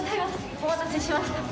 お待たせしました。